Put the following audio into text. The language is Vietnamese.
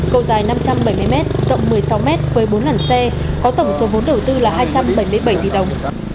cầu dài năm trăm bảy mươi m rộng một mươi sáu m với bốn làn xe có tổng số vốn đầu tư là hai trăm bảy mươi bảy tỷ đồng